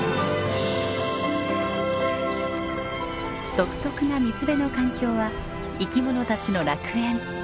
独特な水辺の環境は生き物たちの楽園。